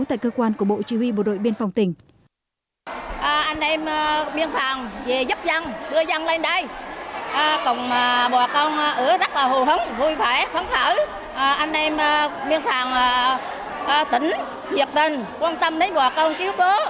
tại cơ quan của bộ chỉ huy bộ đội biên phòng tỉnh